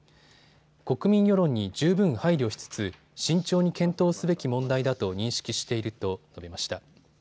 国民世論に十分配慮しつつ慎重に検討すべき問題だと認識していると述べました。